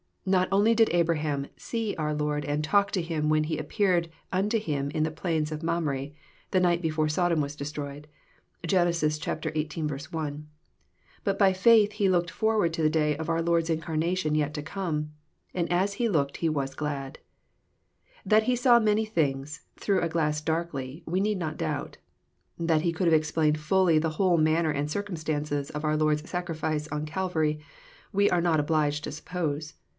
Not only did Abra ham ^* see " our Lord and talk to Him when He ^^ appeared unto him in the plains of Mamre/' the night before Sodom was destroyed, (Gen. xviii. 1,) but by faith he looked forward to the day of our Lord's incarnation yet to come, and as he looked he ^'was glad." That he saw many things, through a glass darkly, we need not doubt. That he could have explained fully the whole manner and cir* cumstances of our Lord's sacrifice on Calvary, we are not obliged to suppose.